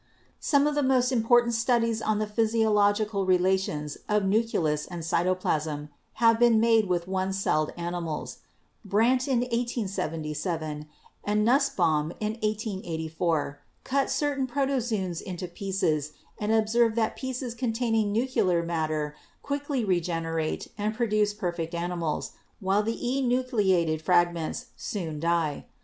Some of the most important studies on the physiological relations of nucleus and cytoplasm have been made with one celled animals. Brandt in 1877 and Nussbaum in 1884 cut certain protozoons into pieces and observed that pieces containing nuclear matter quickly regenerate and produce perfect animals, while the enucleated fragments soon die.